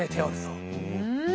うん。